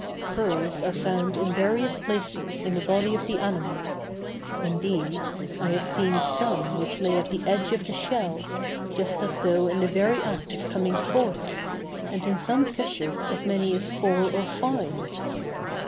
Pearls are found in various places in the body of the animal. Indeed, I have seen some which lay at the edge of the shell, just as though in the very act of coming forth, and in some fishes as many as four or five.